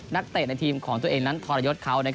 เตะในทีมของตัวเองนั้นทรยศเขา